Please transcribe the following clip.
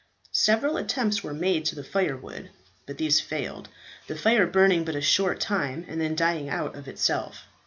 Several attempts were made to fire the wood. But these failed, the fire burning but a short time and then dying out of itself.